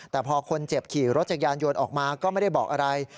แต่พอคนเจ็บขี่รถจักรยานยนต์ออกมาก็ไม่ได้บอกอะไร